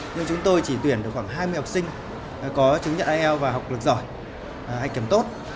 nhưng chúng tôi chỉ tuyển được khoảng hai mươi học sinh có chứng nhận ielt và học lực giỏi hay kiểm tốt